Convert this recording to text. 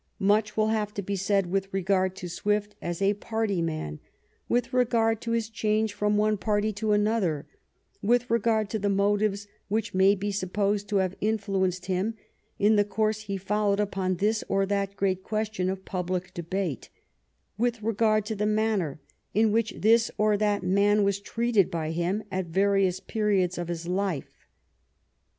Much will have to be said with regard to Swift as a party man ; with regard to his change from one party to another; with regard to the motives which may be supposed to have influ enced him in the course he followed upon this or that great question of public debate; with regard to the manner in which this or that man was treated by him at various periods of his life.